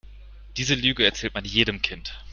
Diese Lüge erzählt man jedem Kind.